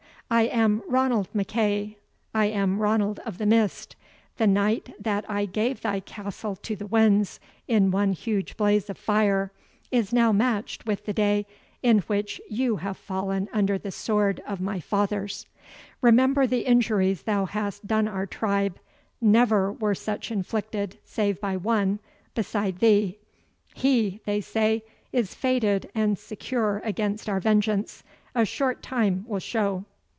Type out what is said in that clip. I am Ranald MacEagh I am Ranald of the Mist the night that I gave thy castle to the winds in one huge blaze of fire, is now matched with the day in which you have fallen under the sword of my fathers. Remember the injuries thou hast done our tribe never were such inflicted, save by one, beside thee. HE, they say, is fated and secure against our vengeance a short time will show."